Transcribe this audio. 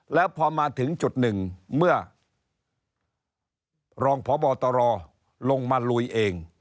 แล้วพอมาถึงจุดหนึ่งเมื่อรองพบตรลงมาลุยเอง